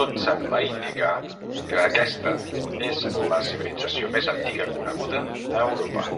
Tot sembla indicar que aquesta és la civilització més antiga coneguda a Europa.